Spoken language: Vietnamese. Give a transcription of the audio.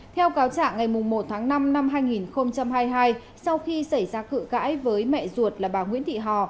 theo cáo trạng ngày một tháng năm năm hai nghìn hai mươi hai sau khi xảy ra cự cãi với mẹ ruột là bà nguyễn thị hò